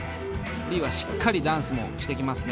Ｌｅｅはしっかりダンスもしてきますね。